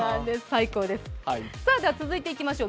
続いていきましょう。